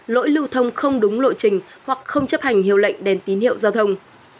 lỗi lưu thông không đúng lộ trình hoặc không chấp hành hiệu lệnh đèn tín hiệu giao thông